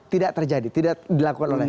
tidak terjadi tidak dilakukan oleh